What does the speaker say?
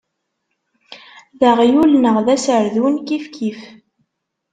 D aɣyul neɣ d aserdun, kifkif.